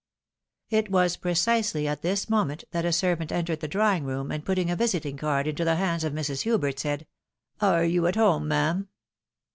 " It was precisely at this moment that a servant entered the drawing room, and putting a visiting card into the hands of Mrs. Hubert, said, " Are you at home, ma'am